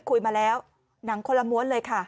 คุยมาแล้วหนังคนละม้วนเลยค่ะ